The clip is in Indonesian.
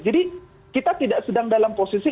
jadi kita tidak sedang dalam posisi